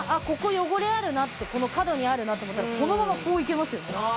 ここ汚れあるなってこの角にあるなって思ったらこのままこういけますよね。